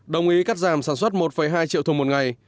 đồng ý cắt giảm sản xuất một hai triệu thùng một ngày